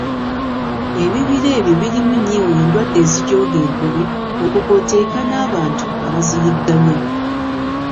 Ebibira ebyo birimu nnyo endwadde ezijooga enkobe, okwo kw’oteeka n’abantu abaziyigganya.